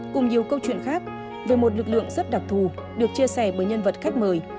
cùng nhiều câu chuyện khác về một lực lượng rất đặc thù được chia sẻ bởi nhân vật khách mời